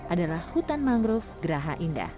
adalah hutan mangrove yang masih terhubung di dunia